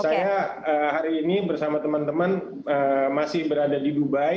saya hari ini bersama teman teman masih berada di dubai